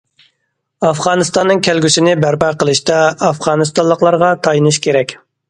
ئافغانىستاننىڭ كەلگۈسىنى بەرپا قىلىشتا ئافغانىستانلىقلارغا تايىنىش كېرەك.